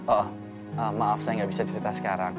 oh maaf saya nggak bisa cerita sekarang